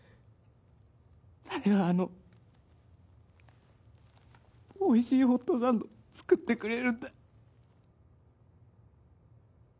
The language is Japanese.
誰があのおいしいホットサンド作ってくれるんだ？